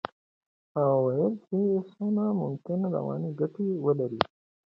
هغه ویلي چې سونا ممکن رواني ګټې ولري.